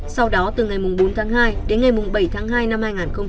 sau đó từ ngày bốn tháng hai đến ngày bảy tháng hai năm hai nghìn một mươi chín